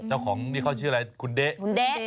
เจ้าของนี่เขาชื่ออะไรคุณเด๊ะ